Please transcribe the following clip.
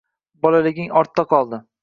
Bolaliging ortda qoldi.